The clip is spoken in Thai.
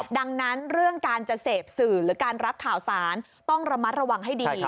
ดังนั้นเรื่องการจะเสพสื่อหรือการรับข่าวสารต้องระมัดระวังให้ดี